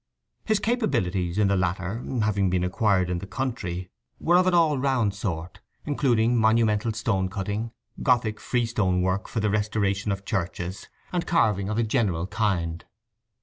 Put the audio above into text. His capabilities in the latter, having been acquired in the country, were of an all round sort, including monumental stone cutting, gothic free stone work for the restoration of churches, and carving of a general kind.